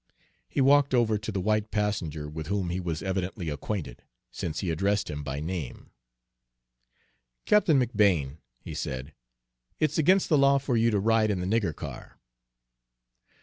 He walked over to the white passenger, with whom he was evidently acquainted, since he addressed him by name. "Captain McBane," he said, "it's against the law for you to ride in the nigger car."